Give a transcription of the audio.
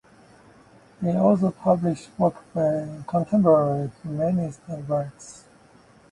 He also published work by contemporary humanist writers.